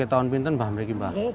pada tahun ke depan kemarin emang berapa